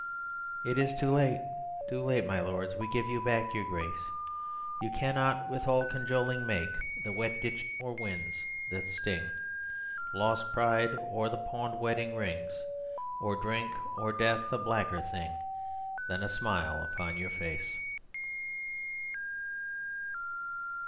It is too late, too late, my lords, We give you back your grace: You cannot with all cajoling Make the wet ditch, or winds that sting, Lost pride, or the pawned wedding rings, Or drink or Death a blacker thing Than a smile upon your face.